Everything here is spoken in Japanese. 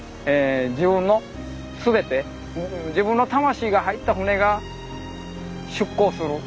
自分の全て自分の魂が入った船が出航する。